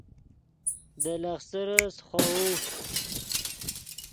دے لخسرے سیخوؤ